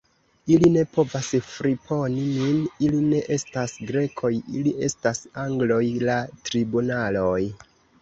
Ili ne povas friponi min; ili ne estas Grekoj, ili estas Angloj; la tribunaloj.